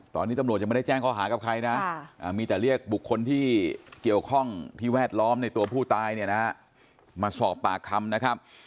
ตอนนี้ตำรวจยังไม่ได้แจ้งข้อหากับใครนะมีแต่เรียกบุคคลที่เกี่ยวข้องที่แวดล้อมในตัวผู้ตายเนี่ยนะมาสอบปากคำนะครับ